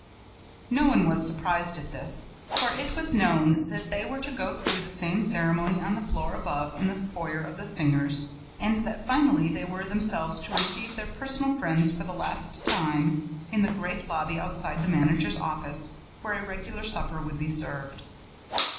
No one was surprised at this, for it was known that they were to go through the same ceremony on the floor above, in the foyer of the singers, and that finally they were themselves to receive their personal friends, for the last time, in the great lobby outside the managers' office, where a regular supper would be served.